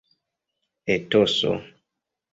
etoso